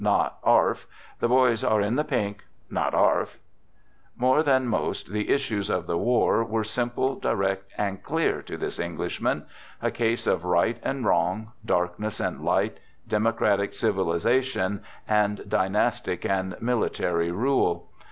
Not arf . The boys are in the pink. Not arf ." More than to most, the issues of the war were simple, direct and clear to this Englishman : a case of right and wrong, darkness and light, democratic civilization and dynastic and military rule.